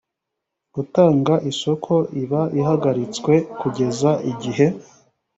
gutanga isoko iba ihagaritswe kugeza igihe